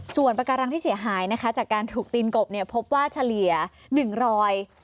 ส่วนปากการังที่เสียหายนะคะจากการถูกตีนกบเนี่ยพบว่าเฉลี่ย๑รอย